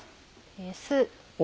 酢。